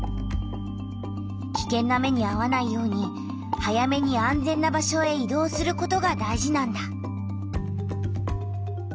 きけんな目にあわないように早めに安全な場所へ移動することが大事なんだ。